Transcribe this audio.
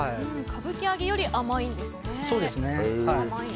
歌舞伎揚げよりも甘いんですね。